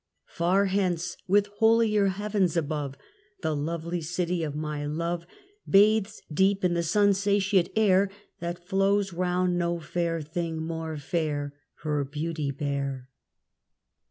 Far hence, with holier heavens above, The lovely city of my love Bathes deep in the sun satiate air That flows round no fair thing more fair Her beauty bare.